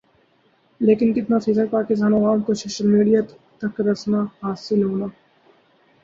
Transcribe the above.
لیکن کِتنا فیصد پاکستانی عوام کو سوشل میڈیا تک رسنا حاصل ہونا